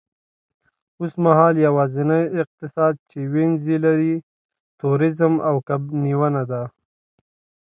اوسمهال یوازینی اقتصاد چې وینز یې لري، تورېزم او کب نیونه ده